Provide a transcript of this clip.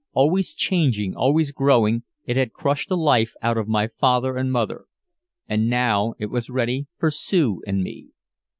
Always changing, always growing, it had crushed the life out of my father and mother, and now it was ready for Sue and me.